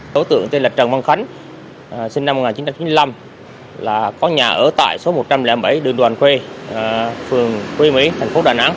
tổ tượng tên là trần văn khánh sinh năm một nghìn chín trăm chín mươi năm có nhà ở tại số một trăm linh bảy đường đoàn quê phường quê mỹ tp đà nẵng